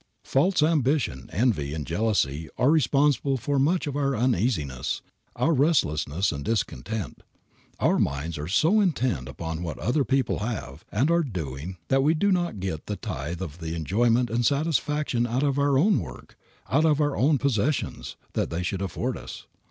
False ambition, envy and jealousy are responsible for much of our uneasiness, our restlessness and discontent. Our minds are so intent upon what other people have and are doing that we do not get a tithe of the enjoyment and satisfaction out of our own work, out of our own possessions, that they should afford us.